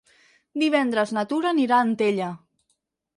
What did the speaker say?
Divendres na Tura anirà a Antella.